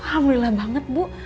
alhamdulillah banget bu